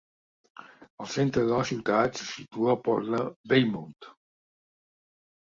Al centre de la ciutat se situa el port de Weymouth.